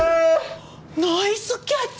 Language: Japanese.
ナイスキャッチ！